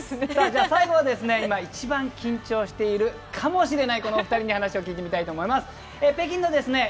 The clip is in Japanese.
最後は今、一番緊張しているかもしれないこのお二人に話を聞いてみたいと思います。